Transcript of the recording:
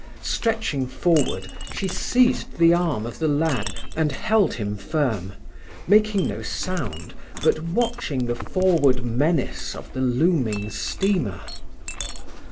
Stretching forward, she seized the arm of the lad and held him firm, making no sound, but watching the forward menace of the looming steamer.